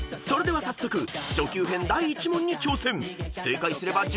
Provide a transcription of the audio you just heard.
［それでは早速初級編第１問に挑戦］